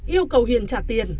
yêu cầu hiền trả tiền